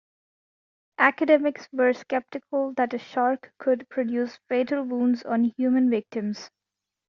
Academics were skeptical that a shark could produce fatal wounds on human victims.